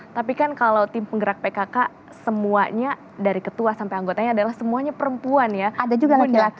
tapi kan kalau tim penggerak pkk semuanya dari ketua sampai anggotanya adalah semuanya perempuan ya laki laki